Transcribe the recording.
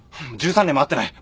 １３年も会ってない。